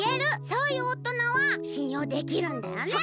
そういうおとなはしんようできるんだよね。